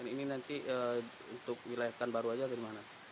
ini nanti untuk wilayah pekanbaru aja dimana